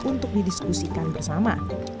untuk didiskusikan bersama